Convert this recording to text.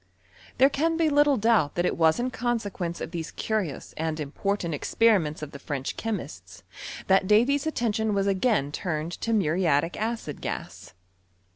There can be little doubt that it was in consequence of thesa curious and important experiments of the French chemists that Davy's attention was again turned to mnriatic acid gas.